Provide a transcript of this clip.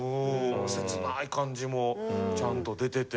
切ない感じもちゃんと出てて。